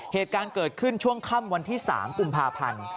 เหตุการณ์เกิดขึ้นช่วงค่ำวันที่๓กุมภาพันธ์